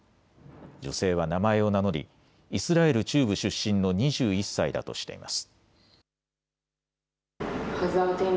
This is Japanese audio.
女性は名前を名乗りイスラエル中部出身の２１歳だとしています。